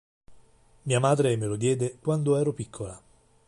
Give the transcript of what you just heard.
Mia madre me lo diede quando ero piccola.